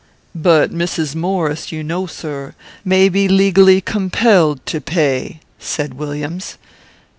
"But Mrs. Maurice, you know, sir, may be legally compelled to pay," said Williams.